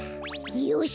よし！